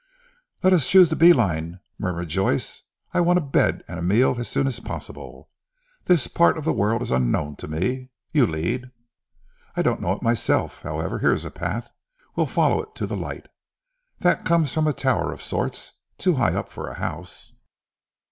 "Let us choose the bee line," murmured Joyce. "I want a bed and a meal as soon as possible. This part of the world is unknown to me. You lead." "I don't know it myself. However here's a path. We'll follow it to the light. That comes from a tower of sorts. Too high up for a house."